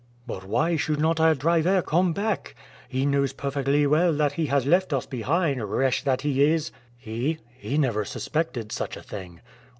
"But why should not our driver come back? He knows perfectly well that he has left us behind, wretch that he is!" "He! He never suspected such a thing."